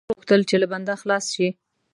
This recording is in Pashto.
او بهلول غوښتل چې له بنده خلاص شي.